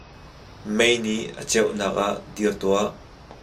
Mei nih a ceuh nak ah dir tuah.